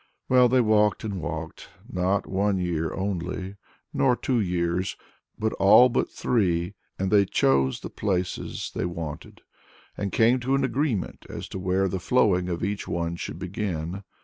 Well, they walked and walked; not one year only, nor two years, but all but three; and they chose the places they wanted, and came to an agreement as to where the flowing of each one should begin.